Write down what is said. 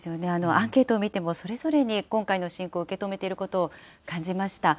アンケートを見ても、それぞれに今回の侵攻を受け止めていることを感じました。